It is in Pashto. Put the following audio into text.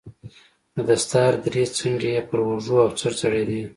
د دستار درې څنډې يې پر اوږو او څټ ځړېدې.